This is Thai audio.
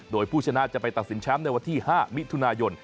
โดยผู้ชนะจะไปตัดสินแชมป์ในวันที่๕มิถุนายน